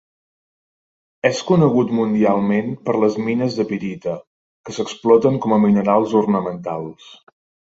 És conegut mundialment per les mines de pirita, que s'exploten com a minerals ornamentals.